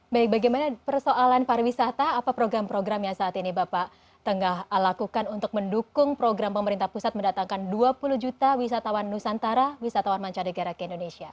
baik bagaimana persoalan pariwisata apa program program yang saat ini bapak tengah lakukan untuk mendukung program pemerintah pusat mendatangkan dua puluh juta wisatawan nusantara wisatawan mancanegara ke indonesia